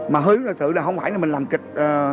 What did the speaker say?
mà hơi hướng thời sự là không phải là mình làm kịch